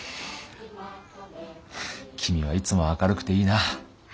君はいつも明るくていいな。